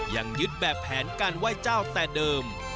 ยังยึดแบบแผนการไหว้เจ้าแต่เดิม